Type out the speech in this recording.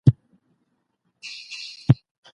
وروستۍ درې لوبې افغانانو وګټلې.